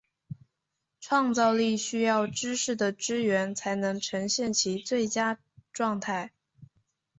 创造力需要知识的支援才能呈现其最佳状态。